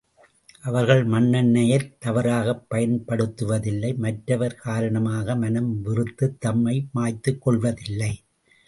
அவர்கள் மண்ணெண்ணெயைத் தவறாகப் பயன்படுத்துவதில்லை மற்றவர் காரணமாக மனம் வெறுத்துத் தம்மை மாய்த்துக்கொள்வதில்லை.